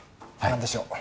何でしょう？